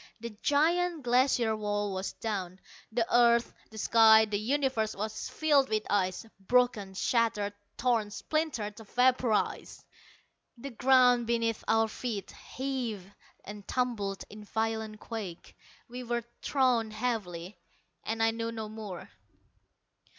The giant Glacier wall was down. The earth, the sky, the universe was filled with ice, broken, shattered, torn, splintered, vaporized! The ground beneath our feet heaved and tumbled in violent quake. We were thrown heavily and I knew no more....